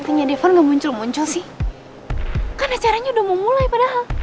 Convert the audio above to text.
eh kok tantenya devon gak muncul muncul sih kan acaranya udah mau mulai padahal